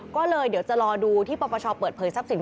ก็เลยเดี๋ยวจะรอดูที่ปปชเปิดเผยทรัพย์สิน